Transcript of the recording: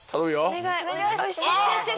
お願い！